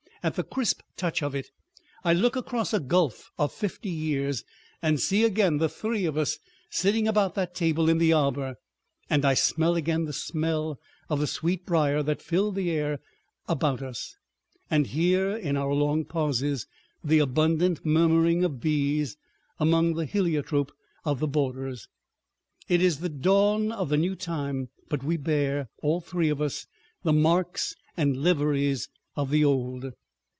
At the crisp touch of it I look across a gulf of fifty years and see again the three of us sitting about that table in the arbor, and I smell again the smell of the sweet briar that filled the air about us, and hear in our long pauses the abundant murmuring of bees among the heliotrope of the borders. It is the dawn of the new time, but we bear, all three of us, the marks and liveries of the old.